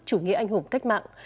chủ nghĩa anh hùng cách mạng